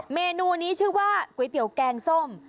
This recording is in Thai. เมนูนี้ชื่อว่าก๋วยเตี๋ยวแกงส้ม